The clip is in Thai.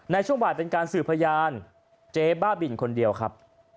ในช่วงบ่ายเป็นการสืบพยานเจ๊บ้าบินคนเดียวครับ